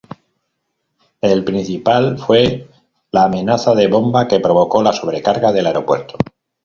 El principal fue la amenaza de bomba que provocó la sobrecarga del aeropuerto.